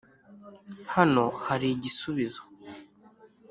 hano hari igisubizo